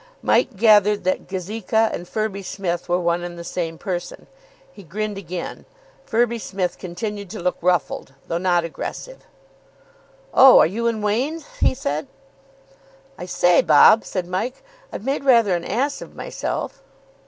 Mike gathered that Gazeka and Firby Smith were one and the same person. He grinned again. Firby Smith continued to look ruffled, though not aggressive. "Oh, are you in Wain's?" he said. "I say, Bob," said Mike, "I've made rather an ass of myself."